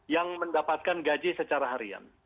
yang mendapatkan gaji secara harian